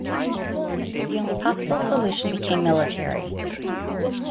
The only possible solution became military.